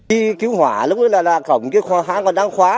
khi cứu hỏa lúc đó là cổng cái hỏa hỏa còn đang khóa